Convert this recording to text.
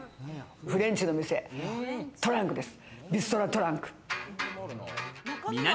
フレンチの店、トランクです。